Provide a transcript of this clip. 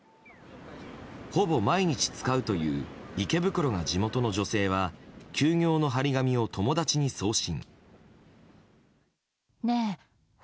ほぼ毎日使うという池袋が地元の女性は休業の貼り紙を友達に送信。